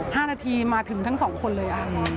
๕นาทีมาถึงทั้ง๒คนเลย